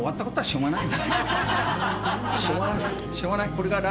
しょうがない。